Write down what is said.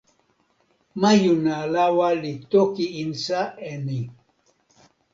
majuna lawa li toki insa e ni: